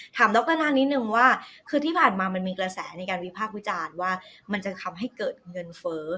ดรนานิดนึงว่าคือที่ผ่านมามันมีกระแสในการวิพากษ์วิจารณ์ว่ามันจะทำให้เกิดเงินเฟ้อ